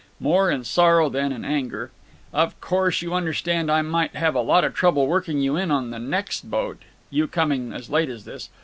More in sorrow than in anger: "Of course you understand I may have a lot of trouble working you in on the next boat, you coming as late as this.